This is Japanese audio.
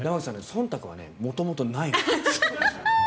そんたくは元々ないです。